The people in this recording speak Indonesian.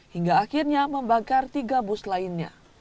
hingga akhirnya membakar tiga bus lainnya